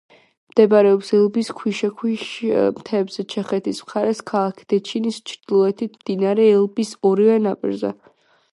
მდებარეობს ელბის ქვიშაქვის მთებზე, ჩეხეთის მხარეს, ქალაქ დეჩინის ჩრდილოეთით, მდინარე ელბის ორივე ნაპირზე.